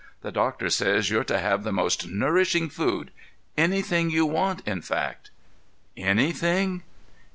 The doctor says you're to have the most nourishing food—anything you want, in fact." "'_Anything?